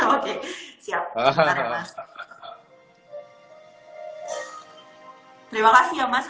oke siap nanti mas